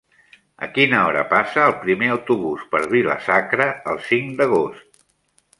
A quina hora passa el primer autobús per Vila-sacra el cinc d'agost?